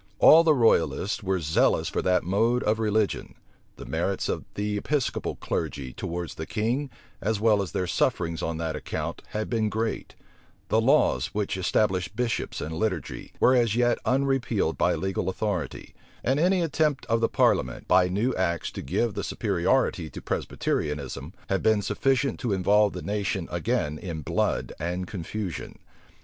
All the royalists were zealous for that mode of religion; the merits of the Episcopal clergy towards the king, as well as their sufferings on that account, had been great; the laws which established bishops and the liturgy, were as yet unrepealed by legal authority; and any attempt of the parliament, by new acts, to give the superiority to Presbyterianism, had been sufficient to involve the nation again in blood and confusion.